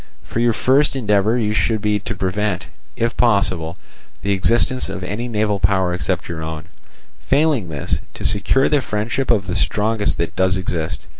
For your first endeavour should be to prevent, if possible, the existence of any naval power except your own; failing this, to secure the friendship of the strongest that does exist.